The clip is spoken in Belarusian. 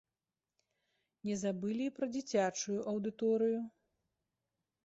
Не забылі і пра дзіцячую аўдыторыю.